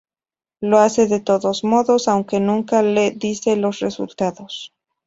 Lo hace de todos modos, aunque nunca le dice los resultados.